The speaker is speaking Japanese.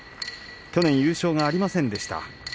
去年優勝がありませんでした。